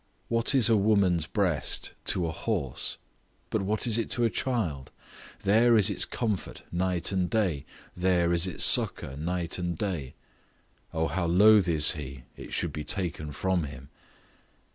What is a woman's breast to a horse? But what is it to a child? There is its comfort night and day, there is its succour night and day. O how loath is he it should be taken from him.